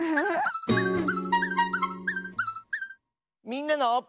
「みんなの」。